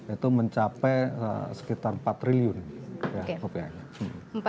itu mencapai sekitar empat triliun ya rupiahnya